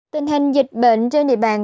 tình hình dịch bệnh trên địa bàn